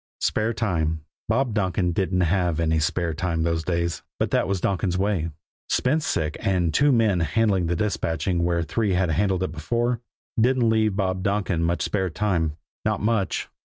Spare time! Bob Donkin didn't have any spare time those days! But that was Donkin's way. Spence sick, and two men handling the dispatching where three had handled it before, didn't leave Bob Donkin much spare time not much.